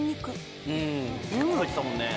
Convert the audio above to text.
結構入ってたもんね。